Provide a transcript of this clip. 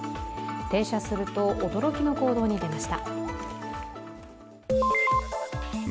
停車すると、驚きの行動に出ました。